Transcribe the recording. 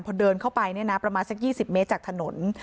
พอเดินเข้าไปเนี่ยนะประมาณสัก๒๐เมตรจากถนน